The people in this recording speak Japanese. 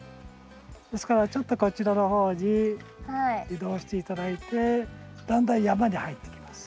ですからちょっとこちらの方に移動して頂いてだんだん山に入っていきます。